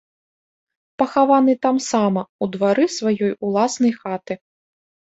Пахаваны тамсама, у двары сваёй уласнай хаты.